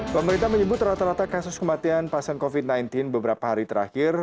pemerintah menyebut rata rata kasus kematian pasien covid sembilan belas beberapa hari terakhir